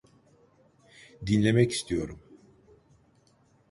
Dinlemek istiyorum.